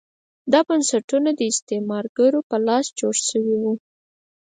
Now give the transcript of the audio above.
دا بنسټونه د استعمارګرو په لاس جوړ شوي وو.